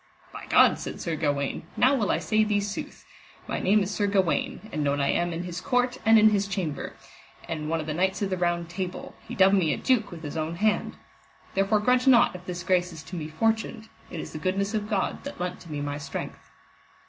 By God, said Sir Gawaine, now I will say thee sooth, my name is Sir Gawaine, and known I am in his court and in his chamber, and one of the knights of the Round Table, he dubbed me a duke with his own hand. Therefore grudge not if this grace is to me fortuned, it is the goodness of God that lent to me my strength.